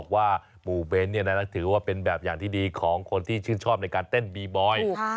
ว่าหมู่เบ้นถือว่าเป็นแบบอย่างที่ดีของคนที่ชื่นชอบในการเต้นบีบอย